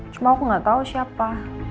cuma aku gak tau siapa